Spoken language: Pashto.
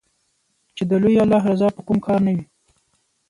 چې د لوی الله رضا په کوم کار نــــــــه وي